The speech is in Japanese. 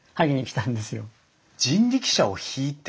人力車を引いてきた？